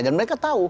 dan mereka tahu